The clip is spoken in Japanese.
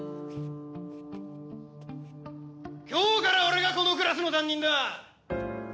今日から俺がこのクラスの担任だ！